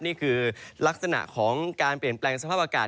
นี่คือลักษณะของการเปลี่ยนแปลงสภาพอากาศ